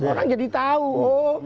orang jadi tahu oh